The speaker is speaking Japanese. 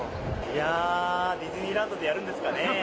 いやー、ディズニーランドでやるんですかね。